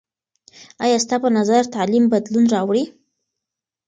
آیا ستا په نظر تعلیم بدلون راوړي؟